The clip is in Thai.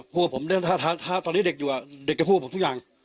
พวกผมเนี่ยถ้าตอนนี้เด็กอยู่เด็กจะพูดกับผมทุกอย่าง